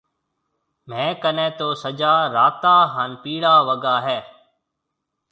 ميه ڪنَي تو سجا راتا هانَ پيڙا وگا هيَ۔